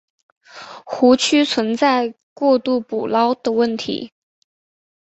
湖区存在过度捕捞的问题。